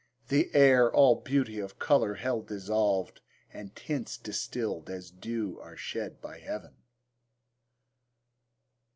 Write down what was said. The air all beauty of colour held dissolved, And tints distilled as dew are shed by heaven.